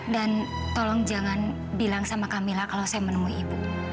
dan tolong jangan bilang sama kamila kalau saya menemui ibu